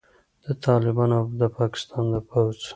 د طالبانو او د پاکستان د پوځ